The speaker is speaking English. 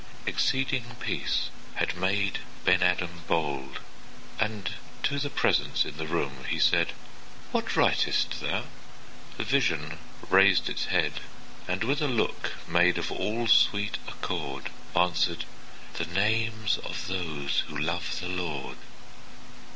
Exceeding peace had made Ben Adhem bold, And to the presence in the room he said,'What writest thou?'—The vision raised its head, And, with a look made of all sweet accord, Answered, 'The names of those who love the Lord.